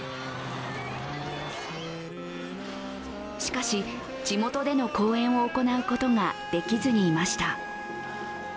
しかし、地元での公演を行うことができずにいました。